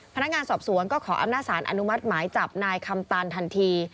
พนักงานสอบสวนก็ขออำนาจสารอนุมัติหมายจับนายคำตันทันที